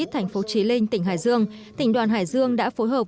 thành phố trí linh tỉnh hải dương tỉnh đoàn hải dương đã phối hợp